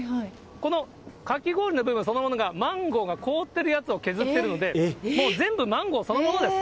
このかき氷の部分そのものがマンゴーが凍ってるやつを削ってるんで、もう全部マンゴーそのものです。